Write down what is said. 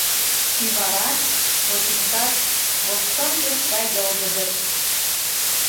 Кӱварат, ботинкат воштончыш гай йылгыжыт.